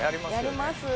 やります。